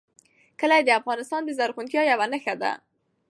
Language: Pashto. کلي د افغانستان د زرغونتیا یوه نښه ده.